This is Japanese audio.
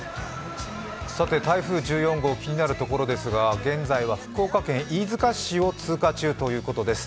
台風１４号気になるところですが現在は福岡県飯塚市を通過中ということです。